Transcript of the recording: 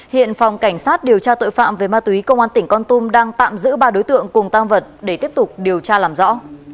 hiện phòng cảnh sát điều tra tội phạm về ma túy công an tỉnh con tum đang tạm giữ ba đối tượng cùng tăng vật để tiếp tục điều tra làm rõ